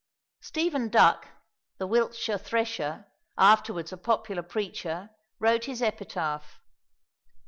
Stephen Duck, the Wiltshire thresher, afterwards a popular preacher, wrote his epitaph.